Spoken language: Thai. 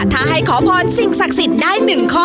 ถ้าให้ขอพรสิ่งศักดิ์สิทธิ์ได้๑ข้อ